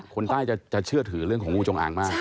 คนใต้จะเชื่อถือเรื่องของงูจงอางมาก